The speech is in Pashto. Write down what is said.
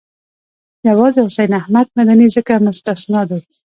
یوازې حسین احمد مدني ځکه مستثنی دی.